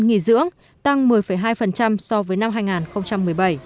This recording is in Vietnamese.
nghỉ dưỡng tăng một mươi hai so với năm hai nghìn một mươi bảy